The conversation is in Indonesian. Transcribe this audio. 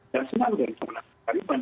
dan senang dari taliban